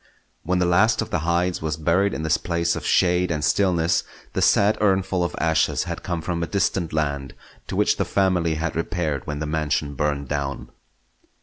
When the last of the Hydes was buried in this place of shade and stillness, the sad urnful of ashes had come from a distant land; to which the family had repaired when the mansion burned down.